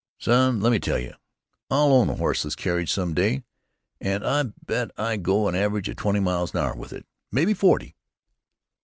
"Son, let me tell you, I'll own a horseless carriage some day, and I bet I go an average of twenty miles an hour with it, maybe forty."